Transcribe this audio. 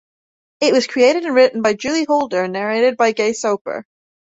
It was created and written by Julie Holder and narrated by Gay Soper.